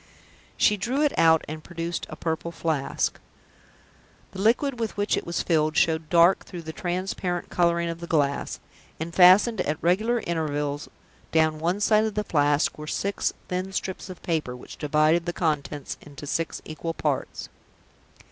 She drew it out, and produced a Purple Flask. The liquid with which it was filled showed dark through the transparent coloring of the glass; and fastened at regular intervals down one side of the Flask were six thin strips of paper, which divided the contents into six equal parts.